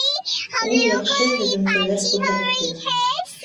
Ул яҡшы һөҙөмтәләр күрһәтте